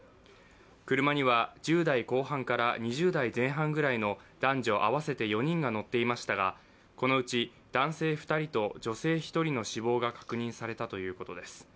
車には１０代後半から２０代前半ぐらいの男女合わせて４人が乗っていましたがこのうち男性２人と女性１人の死亡が確認されたということです。